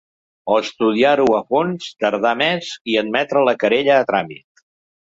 O estudiar-ho a fons, tardar més i admetre la querella a tràmit.